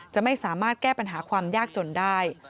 จะไม่สามารถแก้ปัญหาความยากจนได้